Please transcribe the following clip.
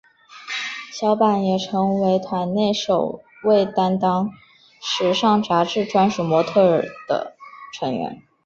小坂也成为团内首位担任时尚杂志专属模特儿的成员。